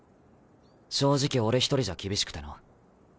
正直俺一人じゃ厳しくてな。